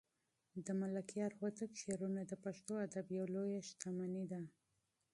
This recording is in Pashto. د ملکیار هوتک شعرونه د پښتو ادب یوه لویه شتمني ده.